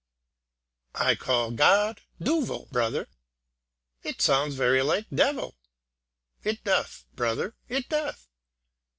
"I call God Duvel, brother." "It sounds very like Devil." "It doth, brother, it doth."